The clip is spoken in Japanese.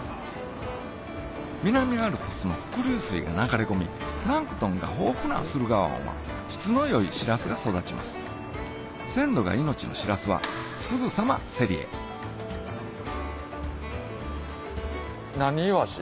南アルプスの伏流水が流れ込みプランクトンが豊富な駿河湾は質の良いシラスが育ちます鮮度が命のシラスはすぐさま競りへ何イワシ？